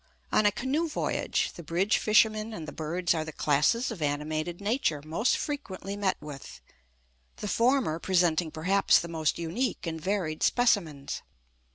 On a canoe voyage, the bridge fishermen and the birds are the classes of animated nature most frequently met with, the former presenting perhaps the most unique and varied specimens.